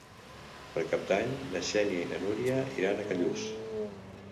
Per Cap d'Any na Xènia i na Núria iran a Callús.